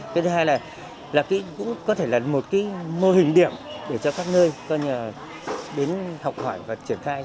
thứ hai là cũng có thể là một mô hình điểm để cho các nơi có nhờ đến học hỏi và triển khai